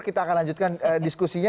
kita akan lanjutkan diskusinya